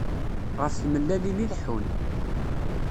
Ɣef tmellalin i leḥun.